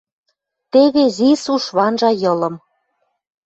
Теве «ЗИС» уж ванжа Йылым.